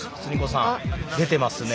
さん出てますね。